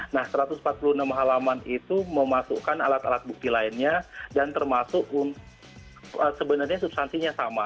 nah satu ratus empat puluh enam halaman itu memasukkan alat alat bukti lainnya dan termasuk sebenarnya substansinya sama